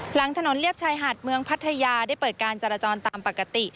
หลังถนนเลียบชายหาดเมืองพัทยาได้เปิดการจราจรตามปกติ